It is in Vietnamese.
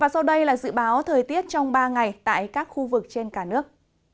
sau đây là dự báo thời tiết trong ba ngày tại các khu vực trên cả nước